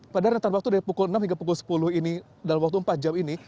pada rentan waktu dari pukul enam hingga pukul sepuluh ini dalam waktu empat jam ini